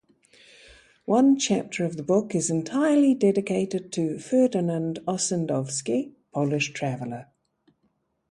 One chapter of the book is entirely dedicated to Ferdynand Ossendowski, Polish traveller.